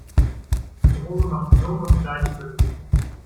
Die Droge macht dumm und gleichgültig.